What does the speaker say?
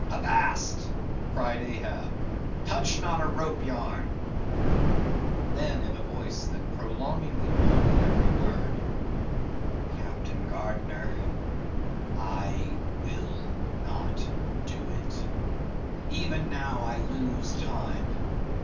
"Avast," cried Ahab—"touch not a rope yarn"; then in a voice that prolongingly moulded every word—"Captain Gardiner, I will not do it. Even now I lose time.